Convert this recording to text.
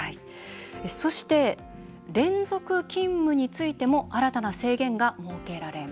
そして連続勤務についても新たな制限が設けられます。